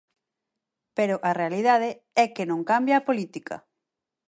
Pero a realidade é que non cambia a política.